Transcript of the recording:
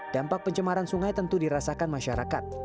dampak pencemaran sungai tentu dirasakan masyarakat